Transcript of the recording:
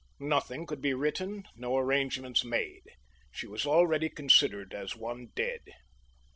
Nothing could be written, no arrangements made. She was already considered as one dead.